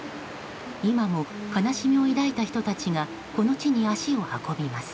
今も、悲しみを抱いた人たちがこの地に足を運びます。